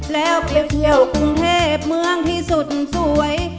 แล้วไปเที่ยวกรุงเทพเมืองที่สุดสวย